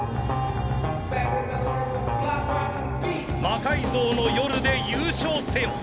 「魔改造の夜」で優勝せよ。